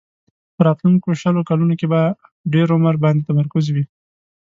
په راتلونکو شلو کلونو کې به په ډېر عمر باندې تمرکز وي.